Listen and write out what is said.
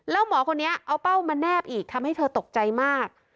แล้วหมอคนนี้เอาเป้ามาแนบอีกทำให้เธอตกใจมาก